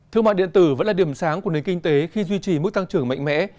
thương mại điện tử vẫn là điểm sáng của nền kinh tế khi duy trì mức tăng trưởng mạnh mẽ